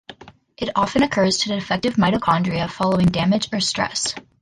It often occurs to defective mitochondria following damage or stress.